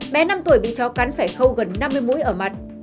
bé năm tuổi bị chó cắn phải khâu gần năm mươi mũi ở mặt